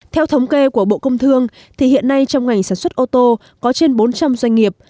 theo thống kê của bộ công thương thì hiện nay trong ngành sản xuất ô tô có trên bốn trăm linh doanh nghiệp